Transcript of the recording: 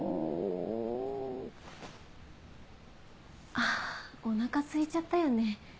あぁお腹すいちゃったよね？